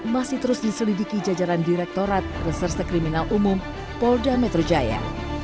masih terus diselidiki jajaran direktorat reserse kriminal umum polda metro jaya